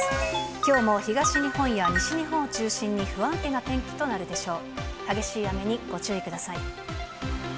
きょうも東日本や西日本を中心に、不安定な天気となるでしょう。